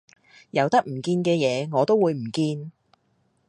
有得唔見嘅嘢我都會唔見